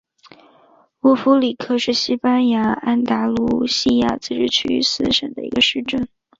乌夫里克是西班牙安达卢西亚自治区加的斯省的一个市镇。